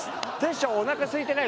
煌翔おなかすいてない？